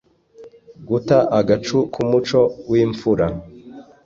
guta agacu k’umuco w’imfura